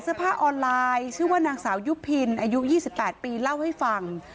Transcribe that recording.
เสื้อผ้าออนไลน์ชื่อว่านางสาวยุพินอายุ๒๘ปีเล่าให้ฟัง